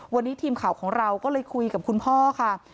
วันนี้ทีมข่าวของเราก็เลยคุยกับคุณพ่อค่ะ